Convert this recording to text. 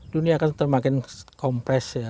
dunia akan semakin kompres ya